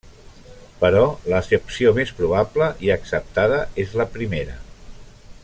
Però l'accepció més probable i acceptada és la primera.